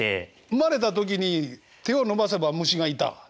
生まれた時に手を伸ばせば虫がいた？